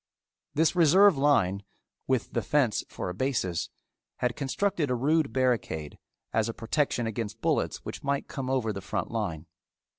This reserve line, with the fence for a basis, had constructed a rude barricade as a protection against bullets which might come over the front line.